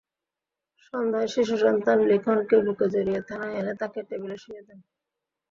সন্ধ্যায় শিশুসন্তান লিখনকে বুকে জড়িয়ে থানায় এনে তাকে টেবিলে শুইয়ে দেন।